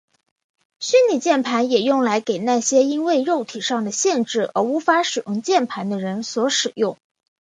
虚拟键盘也用来给那些因为肉体上的限制而无法使用键盘的人所使用。